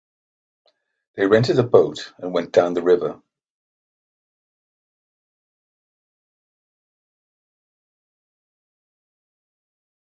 They rented a boat and went down the river.